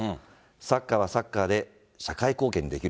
サッカーはサッカーで社会貢献できる。